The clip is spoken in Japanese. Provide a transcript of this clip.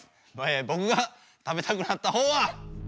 ぼくが食べたくなったほうは。